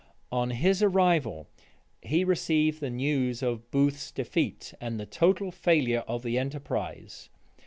On his arrival, he received the news of Booth's defeat, and the total failure of the enterprise.